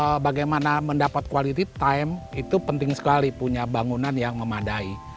untuk bagaimana mendapat quality time itu penting sekali punya bangunan yang memadai